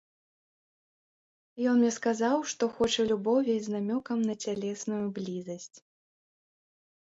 Ён мне сказаў, што хоча любові з намёкам на цялесную блізасць.